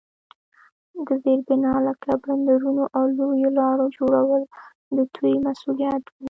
د زیربنا لکه بندرونو او لویو لارو جوړول د دوی مسوولیت وو.